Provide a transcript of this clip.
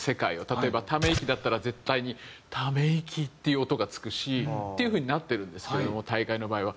例えばため息だったら絶対に「ため息」っていう音がつくしっていう風になってるんですけども大概の場合は。